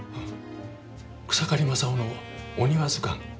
「草刈正雄のお庭図鑑」